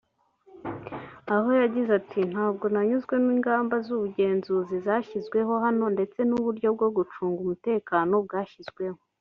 aho yagize ati “Ntabwo nanyuzwe n’ingamba z’ubugenzuzi zashyizweho hano ndetse n’uburyo bwo gucunga umutekano bwashyizweho